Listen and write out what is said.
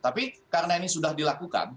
tapi karena ini sudah dilakukan